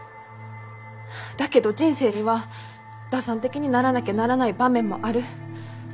だけど人生には打算的にならなきゃならない場面もある。